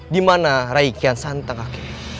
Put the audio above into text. dimana raden kian santan kakek